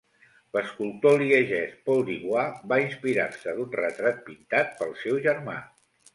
L'escultor liegès Paul Du Bois va inspirar-se d'un retrat pintat pel seu germà.